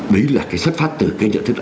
đấy là cái xuất phát từ cái nhận thức